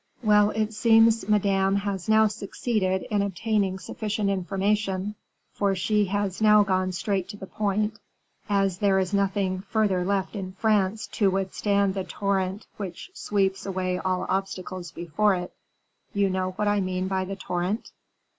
"Well, it seems Madame has now succeeded in obtaining sufficient information, for she has now gone straight to the point, as there is nothing further left in France to withstand the torrent which sweeps away all obstacles before it; you know what I mean by the torrent?"